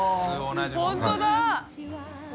本当だ！